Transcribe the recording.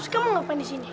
kamu ngapain di sini